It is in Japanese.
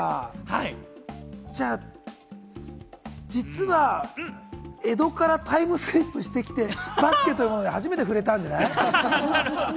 実は江戸からタイムスリップしてきて、バスケというものに初めて触れたんじゃない？